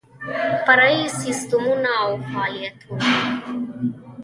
فرعي سیسټمونه او فعالیتونه